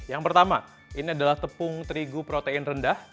yang pertama ini adalah tepung terigu protein rendah